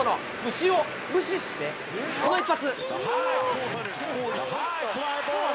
虫を無視して、この一発。